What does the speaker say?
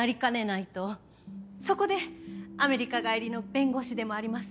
そこでアメリカ帰りの弁護士でもあります